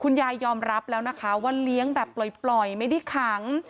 ยายยอมรับแล้วนะคะว่าเลี้ยงแบบปล่อยไม่ได้ขัง